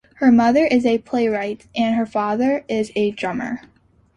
Her mother is a playwright and her father is a drummer.